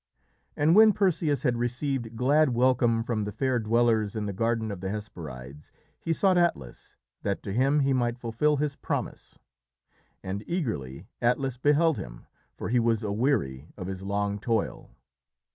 And when Perseus had received glad welcome from the fair dwellers in the garden of the Hesperides, he sought Atlas, that to him he might fulfil his promise; and eagerly Atlas beheld him, for he was aweary of his long toil.